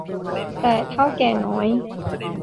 แต่ เถ้าแก่น้อย